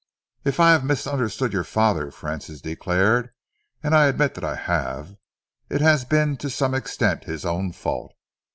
"If I have misunderstood your father," Francis, declared, "and I admit that I have, it has been to some extent his own fault.